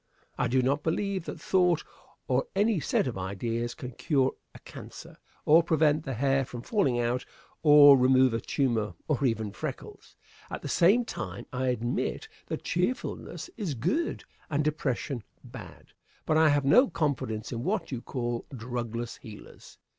I do not believe that thought, or any set of ideas, can cure a cancer, or prevent the hair from falling out, or remove a tumor, or even freckles. At the same time, I admit that cheerfulness is good and depression bad. But I have no confidence in what you call "drugless healers."